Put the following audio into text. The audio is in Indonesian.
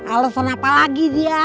alasan apa lagi dia